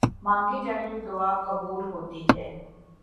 مانگی جانے والی دعا قبول ہوتی ہے۔